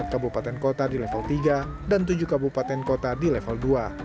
empat kabupaten kota di level tiga dan tujuh kabupaten kota di level dua